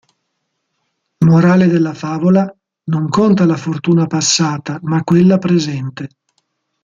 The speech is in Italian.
Morale della favola: non conta la fortuna passata ma quella presente.